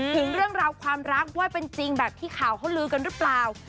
ถึงเรื่องราวความรักว่าเป็นจริงแบบที่ข่าวเขาลือกันหรือเปล่า